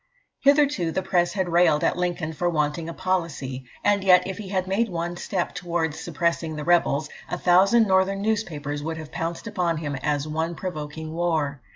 Hitherto, the press had railed at Lincoln for wanting a policy; and yet if he had made one step towards suppressing the rebels, "a thousand Northern newspapers would have pounced upon him as one provoking war."